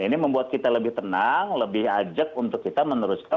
ini membuat kita lebih tenang lebih ajak untuk kita meneruskan